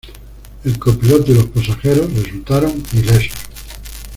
El copiloto y los pasajeros resultaron ilesos.